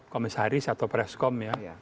komis atau preskom ya